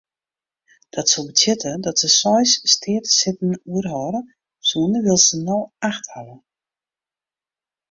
Dat soe betsjutte dat se seis steatesitten oerhâlde soenen wylst se no acht hawwe.